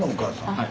はい。